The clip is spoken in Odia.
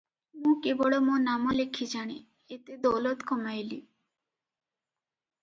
ମୁଁ କେବଳ ମୋ ନାମ ଲେଖି ଜାଣେ, ଏତେ ଦୌଲତ କମାଇଲି ।